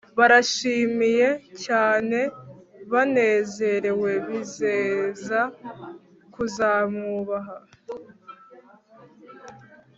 barashimiye cyane banezerewe bizeza kuzamwubaha